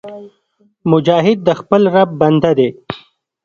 مجاهد د خپل رب بنده دی